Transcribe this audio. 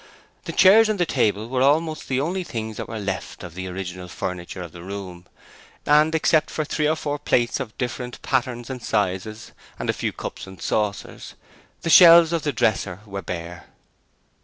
The chairs and the table were almost the only things that were left of the original furniture of the room, and except for three or four plates of different patterns and sizes and a few cups and saucers, the shelves of the dresser were bare.